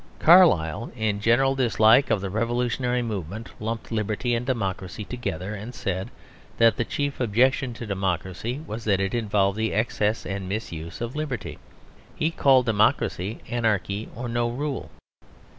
Carlyle, in his general dislike of the revolutionary movement, lumped liberty and democracy together and said that the chief objection to democracy was that it involved the excess and misuse of liberty; he called democracy "anarchy or no rule."